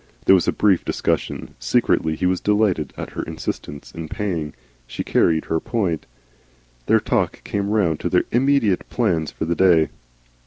There was a brief discussion. Secretly he was delighted at her insistence in paying. She carried her point. Their talk came round to their immediate plans for the day.